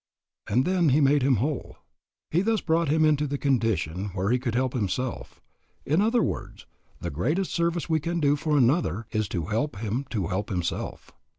And then he made him whole. He thus brought him into the condition where he could help himself. In other words, the greatest service we can do for another is to help him to help himself.